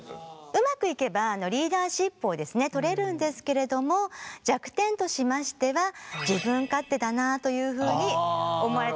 うまくいけばリーダーシップをですね取れるんですけれども弱点としましては自分勝手だなというふうに思われてしまう可能性もあります。